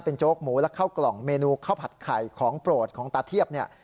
โจ๊กหมูและข้าวกล่องเมนูข้าวผัดไข่ของโปรดของตาเทียบเนี่ย